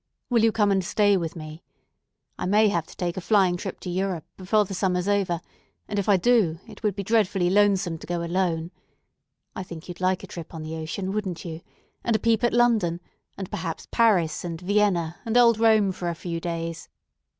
Will you come and stay with me? I may have to take a flying trip to Europe before the summer's over; and, if I do, it would be dreadfully lonesome to go alone. I think you'd like a trip on the ocean, wouldn't you? and a peep at London, and perhaps Paris and Vienna and old Rome for a few days?